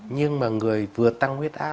nhưng mà người vừa tăng huyết áp